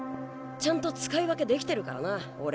ちゃんと使い分けできてるからな俺。